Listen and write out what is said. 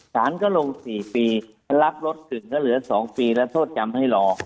สารก็ลง๔ปีรับรถถึงก็เหลือ๒ปีแล้วโทษจำให้รอ